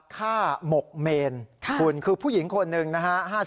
หมกเมนคุณคือผู้หญิงคนหนึ่งนะฮะ